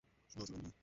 না, স্যার, আমি নই।